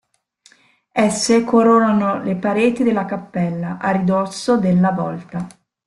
Esse coronano le pareti della cappella, a ridosso della volta.